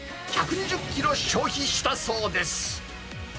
１２０キロ消費したそうです。